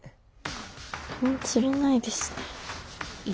釣れないですね。